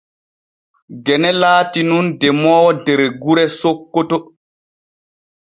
Gene laati nun demoowo der gure Sokkoto.